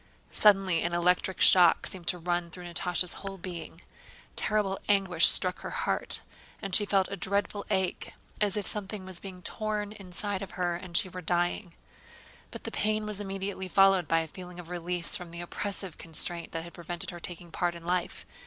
Suddenly an electric shock seemed to run through Natásha's whole being. Terrible anguish struck her heart, she felt a dreadful ache as if something was being torn inside her and she were dying. But the pain was immediately followed by a feeling of release from the oppressive constraint that had prevented her taking part in life.